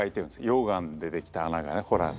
溶岩で出来た穴が洞穴。